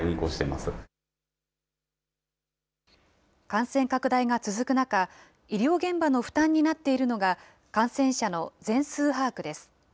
感染拡大が続く中、医療現場の負担になっているのが、感染者の全数把握です。